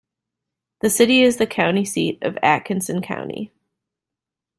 The city is the county seat of Atkinson County.